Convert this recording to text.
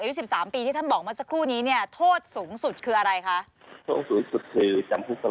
อายุ๑๓ปีที่ท่านบอกว่าสักครู่นี้เนี่ยโทษสูงสุดคืออะไรคะ